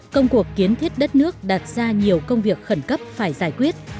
công cuộc kiến thiết đất nước đặt ra nhiều công việc khẩn cấp phải giải quyết